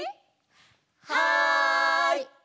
はい！